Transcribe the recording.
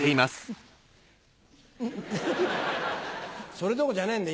それどころじゃねえんだよ